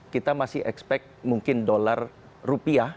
kita masih expect mungkin dolar rupiah